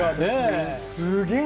すげえ。